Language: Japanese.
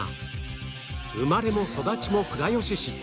生まれも育ちも倉吉市